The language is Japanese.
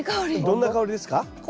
どんな香りですか？